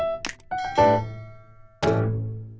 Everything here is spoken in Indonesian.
peserta pengaturan di sydney